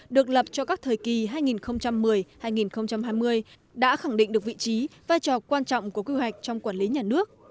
được lập cho các thời kỳ hai nghìn một mươi hai nghìn hai mươi đã khẳng định được vị trí vai trò quan trọng của quy hoạch trong quản lý nhà nước